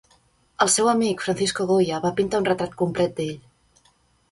El seu amic, Francisco Goya, va pintar un retrat complet d"ell.